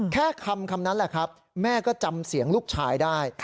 แค่คำนั้นแหละครับแม่ก็จำเสียงลูกชายได้